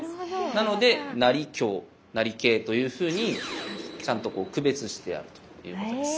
なので成香成桂というふうにちゃんと区別してあるということです。